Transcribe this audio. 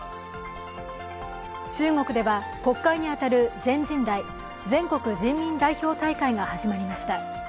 中国では国会に当たる全人代＝全国人民代表大会が始まりました。